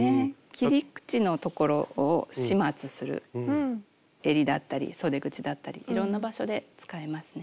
切り口のところを始末するえりだったりそで口だったりいろんな場所で使えますね。